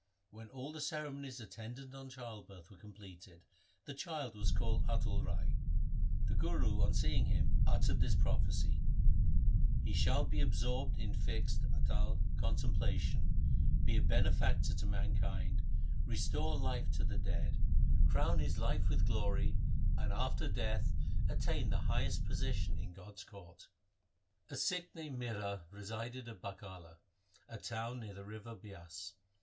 When all the cere monies attendant on childbirth were completed, the child was called Atal Rai. The Guru on seeing him uttered this prophecy :' He shall be absorbed in fixed (atal) contemplation, be a benefactor to mankind, restore life to the dead, crown his life LIFE OF GURU HAR GOBIND 69 with glory, and after death attain the highest position in God's court.' A Sikh named Mihra resided at Bakala, a town near the river Bias.